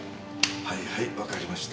はいはいわかりました。